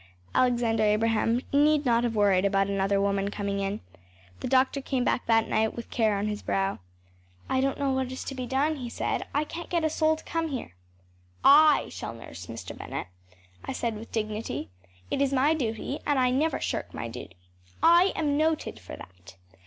Alexander Abraham need not have worried about another woman coming in. The doctor came back that night with care on his brow. “I don’t know what is to be done,‚ÄĚ he said. “I can’t get a soul to come here.‚ÄĚ “_I_ shall nurse Mr. Bennett,‚ÄĚ I said with dignity. “It is my duty and I never shirk my duty. I am noted for that.